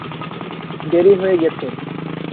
দেরি হয়ে গেছে।